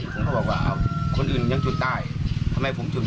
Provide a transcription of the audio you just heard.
นี่ก็พยายามดึงมือผู้ช่วยออก